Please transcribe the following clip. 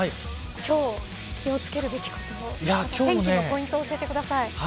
今日気を付けるべきこと天気のポイントを教えてください。